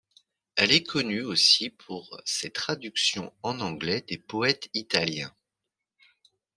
Elle est connue aussi pour ses traductions en anglais des poètes italiens.